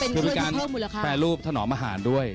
คือพวกกันแปรรูปถนอมอาหารด้วย